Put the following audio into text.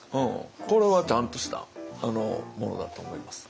これはちゃんとしたものだと思います。